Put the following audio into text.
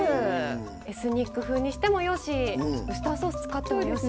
エスニック風にしてもよしウスターソース使ってもよし。